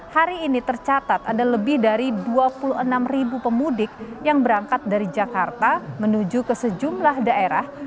hari ini tercatat ada lebih dari dua puluh enam ribu pemudik yang berangkat dari jakarta menuju ke sejumlah daerah